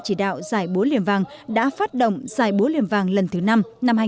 chỉ đạo giải búa liềm vàng đã phát động giải búa liềm vàng lần thứ năm năm hai nghìn hai mươi